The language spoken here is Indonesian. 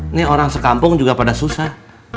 ini orang sekampung juga pada susah